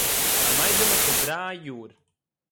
אַ מיידעלע פון דריי יאָר